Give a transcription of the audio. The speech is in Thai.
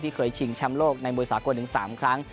ที่เคยชิงชำโลกในมวยสาวกว่าถึง๓ครั้ง